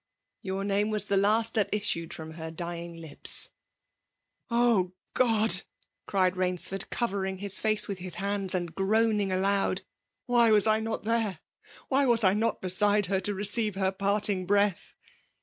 *'" Your name was the last' that issued firon her dying lips." Oh ! God !" criad 'BamdSoxd, eoTering hia fiice with his haiids> and groaning aloud ;" why was I not there 1 Why was I not besidfi her> to receive her parting breath